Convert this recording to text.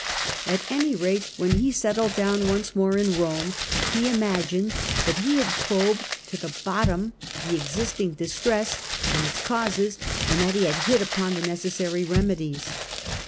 At any rate, when he settled down once more in Eome, he imagined that he had probed to the bottom the existing distress and its causes, and that he had hit upon the necessary remedies.